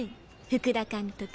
福田監督。